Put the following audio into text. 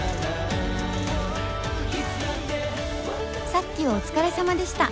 「さっきはお疲れ様でした」